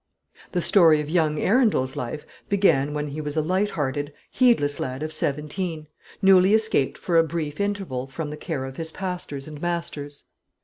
The story of young Arundel's life began when he was a light hearted, heedless lad of seventeen, newly escaped for a brief interval from the care of his pastors and masters.